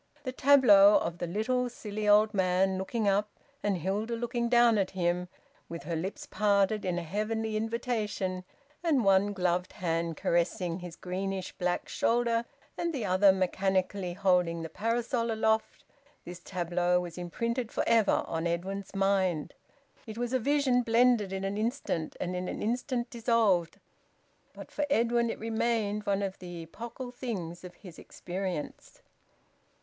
The tableau of the little, silly old man looking up, and Hilda looking down at him, with her lips parted in a heavenly invitation, and one gloved hand caressing his greenish black shoulder and the other mechanically holding the parasol aloft, this tableau was imprinted for ever on Edwin's mind. It was a vision blended in an instant and in an instant dissolved, but for Edwin it remained one of the epochal things of his experience.